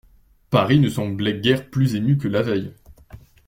Paris ne semblait guère plus ému que la veille.